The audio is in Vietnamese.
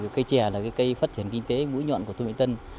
cây trè là cây phát triển kinh tế mũi nhọn của thu vĩnh tân